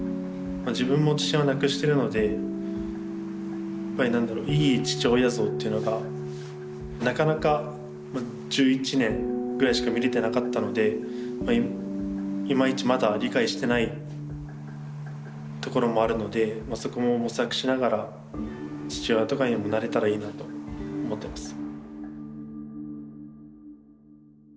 自分も父親を亡くしているのでやっぱり何だろういい父親像っていうのがなかなか１１年ぐらいしか見れてなかったのでいまいちまだ理解してないところもあるのでそこも模索しながら父親とかにもなれたらいいなと思ってます。